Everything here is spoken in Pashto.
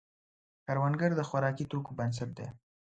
کروندګر د خوراکي توکو بنسټ دی